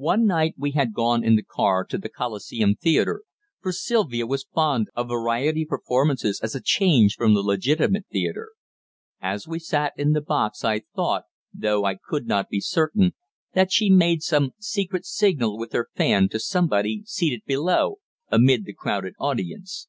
One night we had gone in the car to the Coliseum Theatre, for Sylvia was fond of variety performances as a change from the legitimate theatre. As we sat in the box, I thought though I could not be certain that she made some secret signal with her fan to somebody seated below amid the crowded audience.